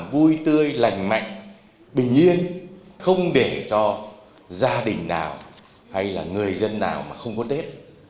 gia đình nào hay là người dân nào mà không có tết